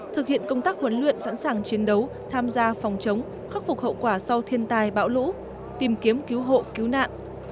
thực hiện công tác huấn luyện sẵn sàng chiến đấu tham gia phòng chống khắc phục hậu quả sau thiên tai bão lũ tìm kiếm cứu hộ cứu nạn